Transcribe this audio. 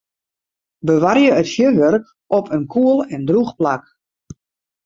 Bewarje it fjurwurk op in koel en drûch plak.